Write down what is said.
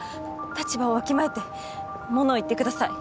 立場をわきまえて物を言ってください。